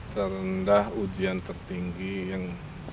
tanda ujian tertinggi yang